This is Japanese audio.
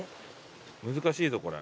難しいぞこれ。